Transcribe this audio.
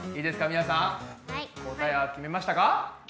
みなさん答えは決めましたか？